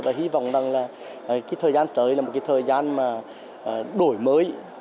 và hy vọng rằng thời gian tới là một thời gian đổi mới